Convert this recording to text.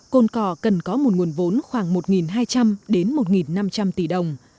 cồn cỏ cần có một nguồn vốn khoảng một hai trăm linh đến một năm trăm linh tỷ đồng